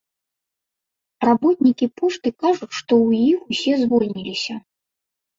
Работнікі пошты кажуць, што ў іх усе звольніліся.